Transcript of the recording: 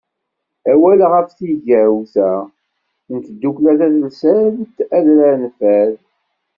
Awal ɣef tigawt-a n tdukkla tadelsant Adrar n Fad.